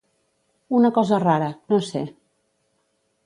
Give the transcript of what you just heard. Una cosa rara, no sé.